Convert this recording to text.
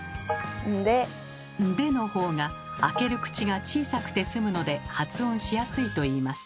「んで」の方が開ける口が小さくてすむので発音しやすいといいます。